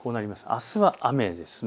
あすは雨ですね。